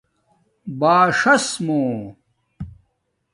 باݽس مُو